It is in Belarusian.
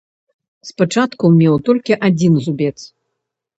Спачатку меў толькі адзін зубец.